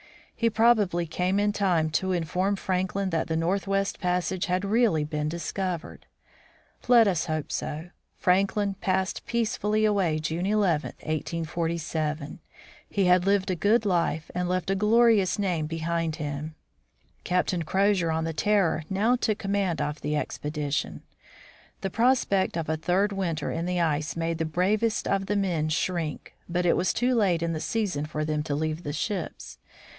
He probably came in time to inform Franklin that the northwest passage had really been discovered. Let us hope so. Franklin passed peacefully away June 11, 1847. He had lived a good life and left a glorious name behind him. Captain Crozier of the Terror now took command of the expedition. The prospect of a third winter in the ice made the bravest of the men shrink, but it was too late in the season for them to leave the ships.